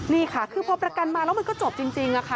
นี่ค่ะคือพอประกันมาแล้วมันก็จบจริงค่ะ